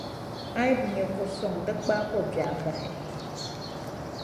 A yi bi nya ko’ suŋ di kpaai ko’ biɛɣu bahi.